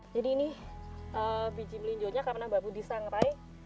jadi ini biji melinjonya karena bapak bu disangrai